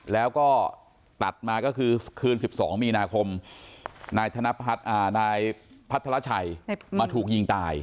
แล้วก็ตัดมาก็คือคืน๑๒มีนาคมนายพัทรชัยมาถูกยิงตาย